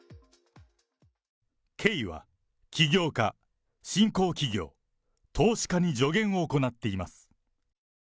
ケイは起業家、新興企業、投資家に助言を行っています。